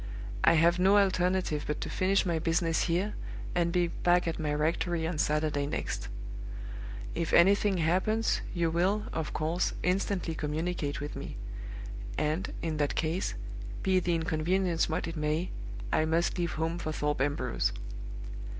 I have no alternative but to finish my business here, and be back at my rectory on Saturday next. If anything happens, you will, of course, instantly communicate with me; and, in that case, be the inconvenience what it may, I must leave home for Thorpe Ambrose.